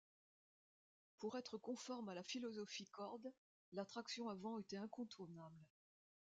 Pour être conforme à la philosophie Cord, la traction avant était incontournable.